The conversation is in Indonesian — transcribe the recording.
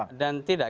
oh tidak tidak